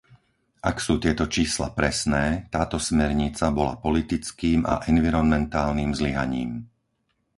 Ak sú tieto čísla presné, táto smernica bola politickým a environmentálnym zlyhaním.